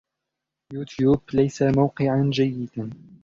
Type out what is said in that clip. يوتيوب ليس موقعًا جيدا.